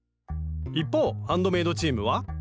一方ハンドメイドチームは？